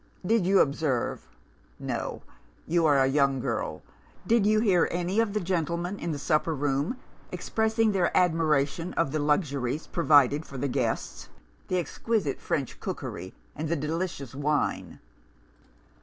"'Did you observe no, you are a young girl did you hear any of the gentlemen, in the supper room, expressing their admiration of the luxuries provided for the guests, the exquisite French cookery and the delicious wine?